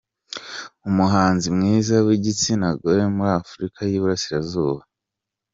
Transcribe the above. Umuhanzi mwiza w’igitsina gore muri Afurika y’Iburasirazuba.